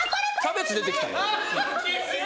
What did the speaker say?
キャベツ出てきた。